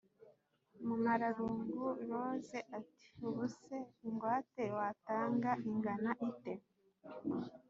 umumararungu rose ati: ubu se ingwate watanga ingana ite